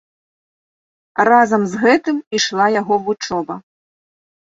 Разам з гэтым ішла яго вучоба.